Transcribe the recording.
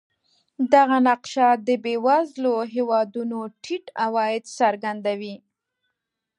دغه نقشه د بېوزلو هېوادونو ټیټ عواید څرګندوي.